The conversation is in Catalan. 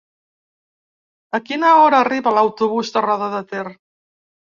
A quina hora arriba l'autobús de Roda de Ter?